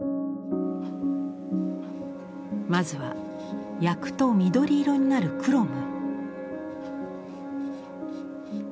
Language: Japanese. まずは焼くと緑色になるクロム。